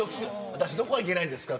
私どこがいけないんですか？